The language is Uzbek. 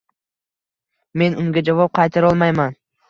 Men unga javob qaytarolmayman.